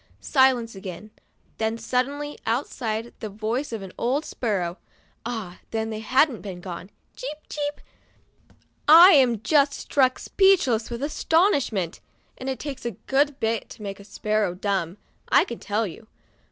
Silence again ; then suddenly, outside, the voice of the older sparrow (ah! then they hadn't gone), "Cheep, cheep ! I am just struck speechless with astonishment," and it takes a good bit to make a sparrow dumb, I can tell you.